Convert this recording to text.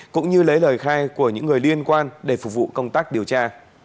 cũng như lấy lời khai của những người liên quan để phục vụ công tác điều tra